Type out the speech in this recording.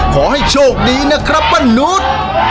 ขอให้โชคดีนะครับป้านุษย์